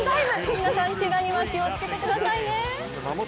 皆さん、けがには気をつけてくださいね。